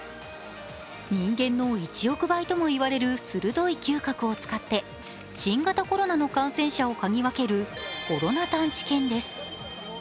人間の１億倍ともいわれる鋭い嗅覚を使って新型コロナの感染者を嗅ぎ分けるコロナ探知犬です。